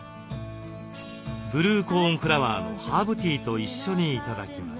ブルーコーンフラワーのハーブティーと一緒に頂きます。